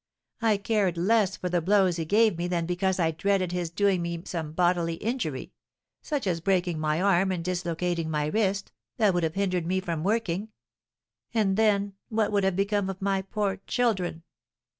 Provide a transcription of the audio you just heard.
I cared less for the blows he gave me than because I dreaded his doing me some bodily injury, such as breaking my arm and dislocating my wrist, that would have hindered me from working; and then, what would have become of my poor children?